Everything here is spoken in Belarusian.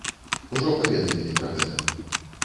Ужо паведамілі пра гэта.